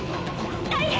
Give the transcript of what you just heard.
大変！